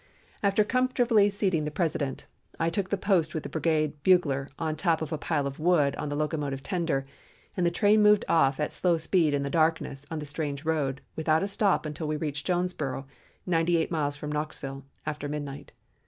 "After comfortably seating the President, I took post with the brigade bugler on top of a pile of wood on the locomotive tender, and the train moved off at slow speed in the darkness on the strange road, without a stop until we reached Jonesboro, ninety eight miles from Knoxville, after midnight.